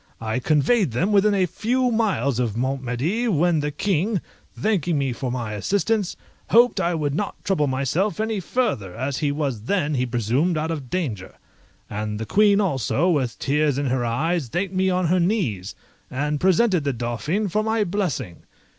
I conveyed them within a few miles of Mont Medi, when the King, thanking me for my assistance, hoped I would not trouble myself any farther, as he was then, he presumed, out of danger; and the Queen also, with tears in her eyes, thanked me on her knees, and presented the Dauphin for my blessing.